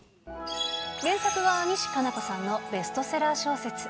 原作は、西加奈子さんのベストセラー小説。